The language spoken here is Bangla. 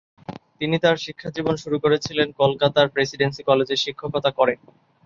তিনি তাঁর শিক্ষাজীবন শুরু করেছিলেন কলকাতার প্রেসিডেন্সি কলেজে শিক্ষকতা করে।